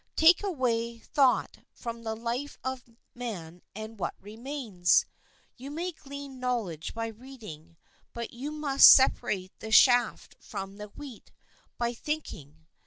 Take away thought from the life of a man and what remains? You may glean knowledge by reading, but you must separate the chaff from the wheat by thinking.